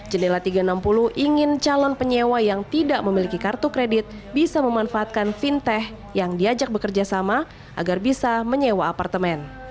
jendela tiga ratus enam puluh ingin calon penyewa yang tidak memiliki kartu kredit bisa memanfaatkan fintech yang diajak bekerja sama agar bisa menyewa apartemen